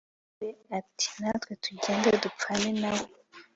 be ati natwe tugende dupfane na we